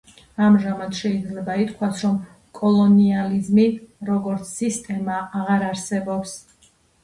ამჟამად შეიძლება ითქვას, რომ კოლონიალიზმი როგორც სისტემა აღარ არსებობს.